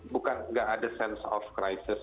bukan nggak ada sense of crisis